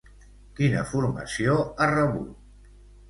Quina formació ha rebut?